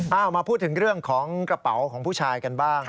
เอามาพูดถึงเรื่องของกระเป๋าของผู้ชายกันบ้าง